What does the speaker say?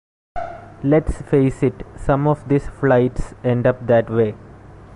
Let's face it, some of these flights end up that way.